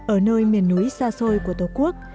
ở nơi miền núi xa xôi của tổ quốc